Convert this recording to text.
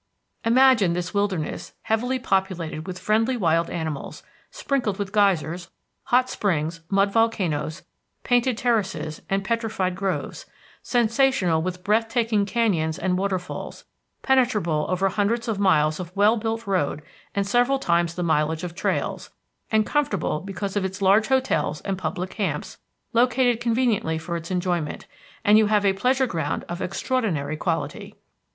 Imagine this wilderness heavily populated with friendly wild animals, sprinkled with geysers, hot springs, mud volcanoes, painted terraces and petrified groves, sensational with breath taking canyons and waterfalls, penetrable over hundreds of miles of well built road and several times the mileage of trails, and comfortable because of its large hotels and public camps located conveniently for its enjoyment, and you have a pleasure ground of extraordinary quality.